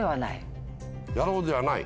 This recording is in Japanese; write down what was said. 「やろう」ではない。